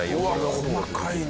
細かいね。